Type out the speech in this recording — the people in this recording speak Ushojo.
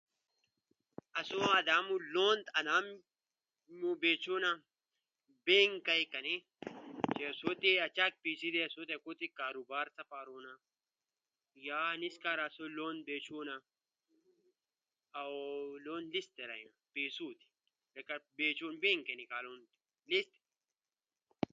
کائی کنے بے سوتیا کاروبار سپارونا یا انیس کاؤ لون بے سود لکہ لون بینک نیکالونا آسوا دامو لون آنم مو بے چونا ۔ بینک